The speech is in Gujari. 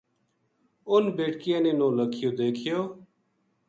اُنھ بیٹکیاں نے نولکھیو دیکھیو